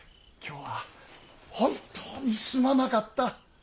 今日は本当にすまなかった。